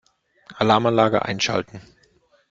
Alarmanlage einschalten.